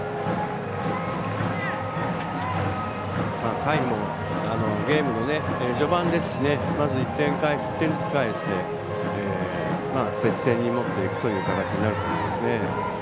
回もゲームの序盤ですからまず１点ずつ返して接戦に持っていくという形になると思いますね。